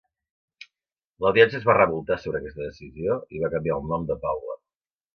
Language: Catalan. L'audiència es va revoltar sobre aquesta decisió i va canviar el nom de Paula.